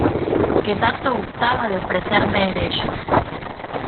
que tanto gustaba de ofrecerme en ellos.